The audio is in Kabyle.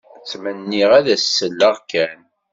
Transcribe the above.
Ttmenniɣ ad as-selleɣ kan.